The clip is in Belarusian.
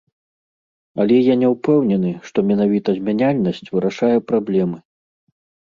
Але я не ўпэўнены, што менавіта змяняльнасць вырашае праблемы.